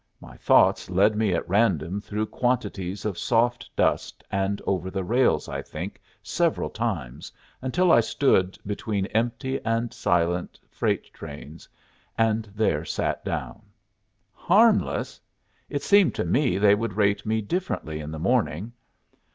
My thoughts led me at random through quantities of soft dust, and over the rails, I think, several times, until I stood between empty and silent freight trains, and there sat down. Harmless! It seemed to me they would rate me differently in the morning.